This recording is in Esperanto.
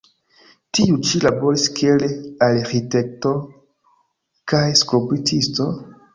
Tiu ĉi laboris kiel arĥitekto kaj skulptisto.